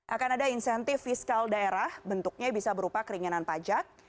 akan ada insentif fiskal daerah bentuknya bisa berupa keringanan pajak